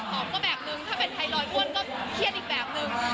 เพราะว่าตอนที่ไปฝากไข่แล้วแบบ